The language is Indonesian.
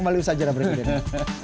jangan lupa subscribe like komen dan share